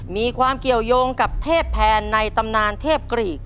มีความเกี่ยวยงกับเทพแพนในตำนานเทพกรีก